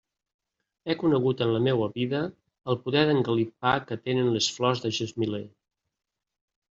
He conegut en la meua vida el poder d'engalipar que tenen les flors del gesmiler.